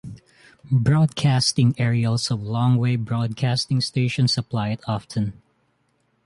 Broadcasting aerials of longwave broadcasting stations apply it often.